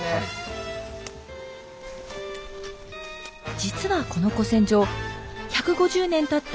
実はこの古戦場１５０年たった